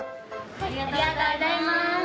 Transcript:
ありがとうございます。